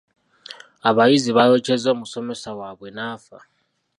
Abayizi baayokyezza omusomesa waabwe n'afa.